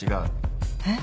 えっ？